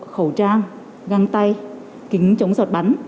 khẩu trang găng tay kính chống giọt bắn